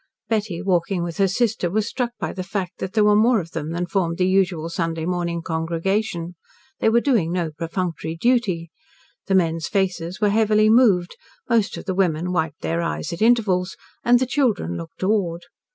Betty, walking with her sister, was struck by the fact that there were more of them than formed the usual Sunday morning congregation. They were doing no perfunctory duty. The men's faces were heavily moved, most of the women wiped their eyes at intervals, and the children looked awed.